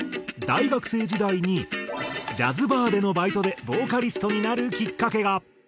大学生時代にジャズバーでのバイトでボーカリストになるきっかけが。